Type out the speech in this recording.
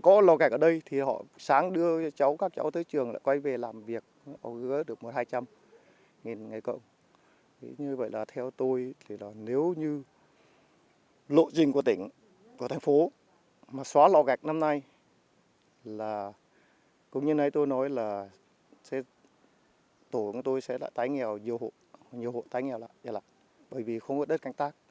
đó là tái nghèo nhiều hộ nhiều hộ tái nghèo là bởi vì không có đất canh tác